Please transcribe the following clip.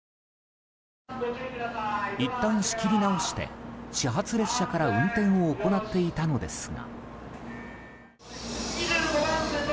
いったん仕切り直して始発列車から運転を行っていたのですが。